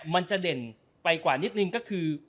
มันจะเด่นไปกว่านิดนึงก็คือ